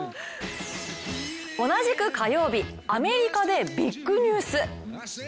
同じく火曜日、アメリカでビッグニュース。